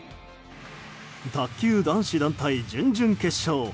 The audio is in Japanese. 卓球男子団体、準々決勝。